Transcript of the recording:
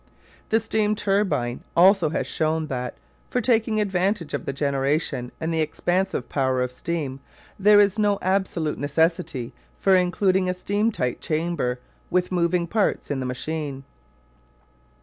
The steam turbine also has shown that, for taking advantage of the generation and the expansive power of steam, there is no absolute necessity for including a steam tight chamber with moving parts in the machine.